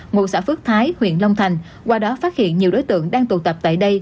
ngụ xã phước thái huyện long thành qua đó phát hiện nhiều đối tượng đang tụ tập tại đây